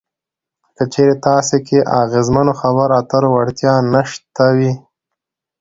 که چېرې تاسې کې د اغیزمنو خبرو اترو وړتیا نشته وي.